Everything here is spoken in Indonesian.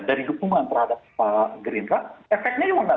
dari dukungan terhadap pak gerindra efeknya juga nggak